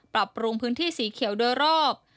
ปรับปรุงพื้นที่สีเขียวโดยรอบ